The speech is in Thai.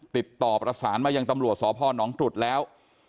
ติดต่อประสานมายังตำรวจสพนตรุษแล้ว